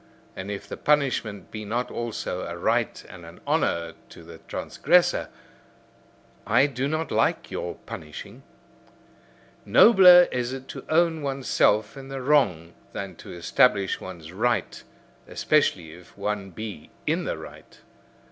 And if the punishment be not also a right and an honour to the transgressor, I do not like your punishing. Nobler is it to own oneself in the wrong than to establish one's right, especially if one be in the right.